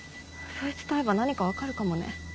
そいつと会えば何か分かるかもね。